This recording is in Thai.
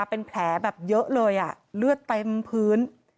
เป็นแผลแบบเยอะเลยเลือดเต็มพื้น